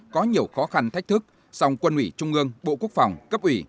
có nhiều khó khăn thách thức song quân ủy trung ương bộ quốc phòng cấp ủy